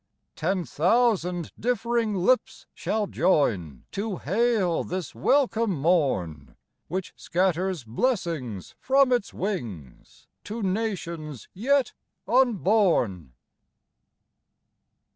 Ten thousand differing lips shall join To hail this welcome morn, Which scatters blessings from its wings To nations yet unborn.